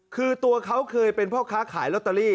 คือตัวเขาเคยเป็นพ่อค้าขายลอตเตอรี่